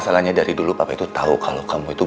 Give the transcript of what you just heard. makanya dari dulu papa itu tau kalo kamu itu